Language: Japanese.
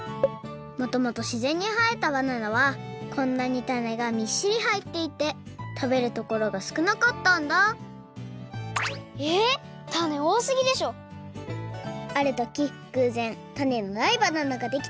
もともとしぜんにはえたバナナはこんなにタネがみっしりはいっていてたべるところがすくなかったんだあるときぐうぜんタネのないバナナができたの。